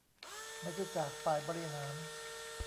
ไม่ใช่จากฝ่ายบริหาร